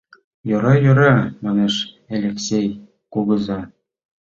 — Йӧра-йӧра, — манеш Элексей кугыза.